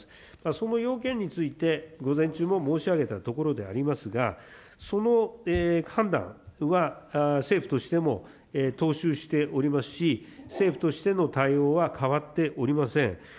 その要件について午前中も申し上げたところでありますが、その判断は、政府としても踏襲しておりますし、政府としての対応は変わっておりません。